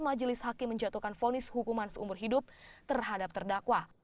majelis hakim menjatuhkan fonis hukuman seumur hidup terhadap terdakwa